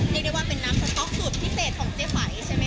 เรียกได้ว่าเป็นน้ำสต๊อกสูตรพิเศษของเจ๊ไหมใช่ไหมค